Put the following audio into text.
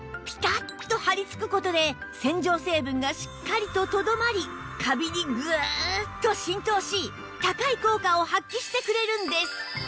ピタッと張りつく事で洗浄成分がしっかりととどまりカビにグーッと浸透し高い効果を発揮してくれるんです